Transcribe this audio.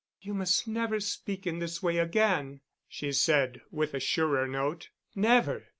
"You must never speak in this way again," she said, with a surer note. "Never.